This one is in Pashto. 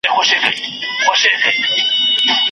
زه به سبا د بدیع د علم په اړه مقاله لیکم.